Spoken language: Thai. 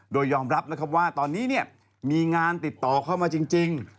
โดยยอมรับว่าตอนนี้มีงานติดต่อเข้ามาจริง